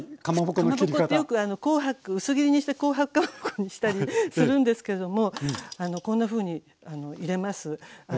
かまぼこってよく薄切りにして紅白かまぼこにしたりするんですけれどもこんなふうに入れます。